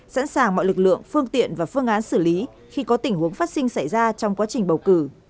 sẵn sàng mọi lực lượng phương tiện và phương án xử lý khi có tình huống phát sinh xảy ra trong quá trình bầu cử